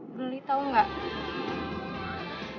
beli tau gak